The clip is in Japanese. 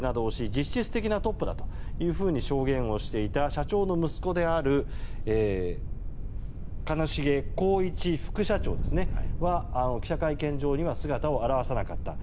実質的なトップだったと証言をしていた社長の息子である兼重宏一副社長は記者会見場には姿を現さなかった。